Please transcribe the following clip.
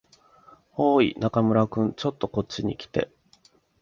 おーい、中村君。ちょっとこっちに来て。